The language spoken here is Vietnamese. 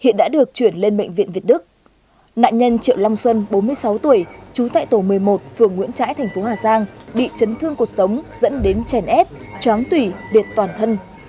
nạn nhân triệu lâm xuân bốn mươi sáu tuổi chú tệ tổ một mươi một phường nguyễn trãi thành phố hà giang bị chấn thương cuộc sống dẫn đến chèn ép chóng tủy biệt toàn thân